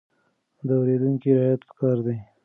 د اورېدونکي رعايت پکار دی.